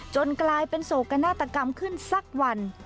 กลายเป็นโศกนาฏกรรมขึ้นสักวัน